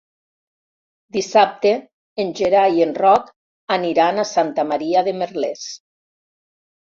Dissabte en Gerai i en Roc aniran a Santa Maria de Merlès.